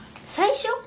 最初？